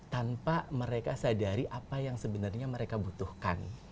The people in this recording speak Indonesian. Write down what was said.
tanpa mereka sadari apa yang sebenarnya mereka butuhkan